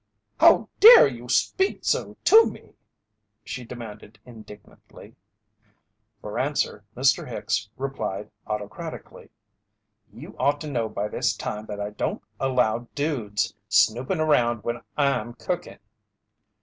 "How dare you speak so to me?" she demanded, indignantly. For answer, Mr. Hicks replied autocratically: "You ought to know by this time that I don't allow dudes snooping around when I'm cooking."